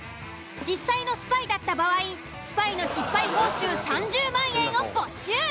実際のスパイだった場合スパイの失敗報酬３０万円を没収。